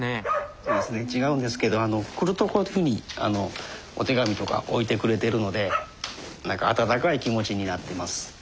そうですね違うんですけど来るとこういうふうにお手紙とか置いてくれてるので何か温かい気持ちになってます。